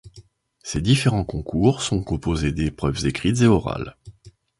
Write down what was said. Ces différents concours sont composés d'épreuves écrites et orales.